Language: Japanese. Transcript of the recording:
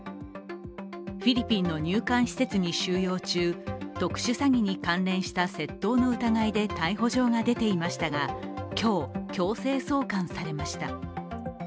フィリピンの入管施設に収容中特殊詐欺に関連した窃盗の疑いで逮捕状が出ていましたが、今日、強制送還されました。